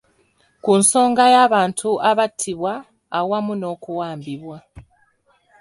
Ku nsonga y’abantu abattibwa awamu n’okuwambibwa.